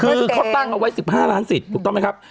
คือเขาตั้งเอาไว้๑๕ล้านสิทธิ์ถูกต้องไหมครับ